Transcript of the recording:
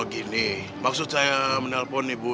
gini maksud saya menelpon nih bu